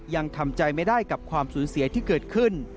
ยังทำใจไม่ได้กับความสูญเสียที่เกิดขึ้น